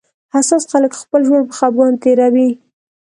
حساس خلک خپل ژوند په خپګان تېروي